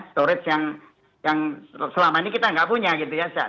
storage yang selama ini kita nggak punya gitu ya